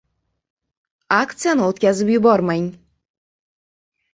Aksiyani o‘tkazib yubormang!